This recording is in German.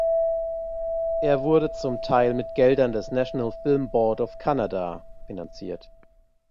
Er wurde zum Teil mit Geldern des National Film Board of Canada finanziert.